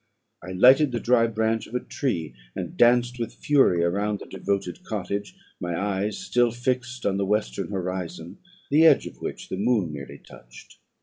I lighted the dry branch of a tree, and danced with fury around the devoted cottage, my eyes still fixed on the western horizon, the edge of which the moon nearly touched.